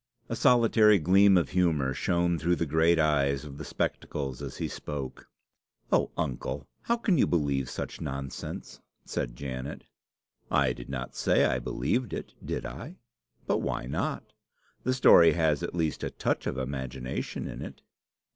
A solitary gleam of humour shone through the great eyes of the spectacles as he spoke. "Oh, uncle! how can you believe such nonsense!" said Janet. "I did not say I believed it did I? But why not? The story has at least a touch of imagination in it."